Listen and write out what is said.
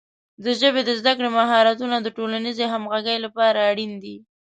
د ژبې د زده کړې مهارتونه د ټولنیزې همغږۍ لپاره اړین دي.